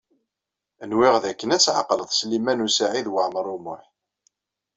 Nwiɣ dakken ad tɛeqleḍ Sliman U Saɛid Waɛmaṛ U Muḥ.